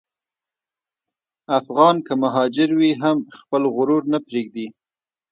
افغان که مهاجر وي، هم خپل غرور نه پرېږدي.